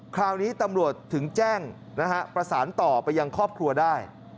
คราวนี้ตำรวจถึงแจ้งนะฮะประสานต่อไปยังครอบครัวได้